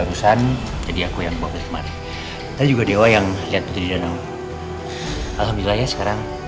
urusan jadi aku yang bawa ke tempat itu juga dewa yang lihat putri di danau alhamdulillah ya sekarang